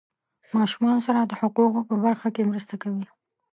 ماشومانو سره د حقوقو په برخه کې مرسته کوي.